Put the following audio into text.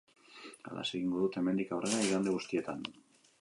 Halaxe egingo dute hemendik aurrera igande guztietan.